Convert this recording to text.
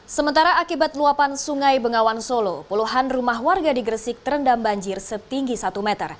sementara akibat luapan sungai bengawan solo puluhan rumah warga di gresik terendam banjir setinggi satu meter